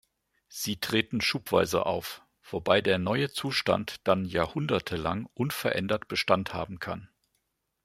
Sie treten schubweise auf, wobei der neue Zustand dann jahrhundertelang unverändert Bestand haben kann.